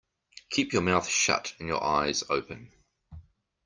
Keep your mouth shut and your eyes open.